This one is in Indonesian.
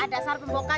ada satu bohokan